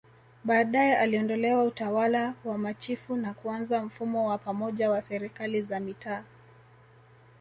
Baadae iliondolewa Utawala wa machifu na kuanza mfumo wa pamoja wa Serikali za Mitaa